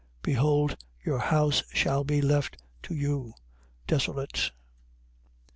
23:38. Behold, your house shall be left to you, desolate. 23:39.